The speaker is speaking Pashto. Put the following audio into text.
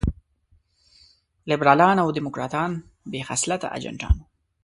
لېبرالان او ډيموکراټان بې خصلته اجنټان وو.